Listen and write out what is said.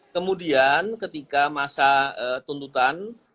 kemudian ketika masa tuntutan